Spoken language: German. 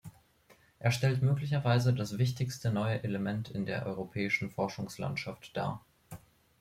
Er stellt möglicherweise das wichtigste neue Element in der europäischen Forschungslandschaft dar.